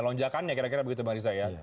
lonjakannya kira kira begitu bang riza ya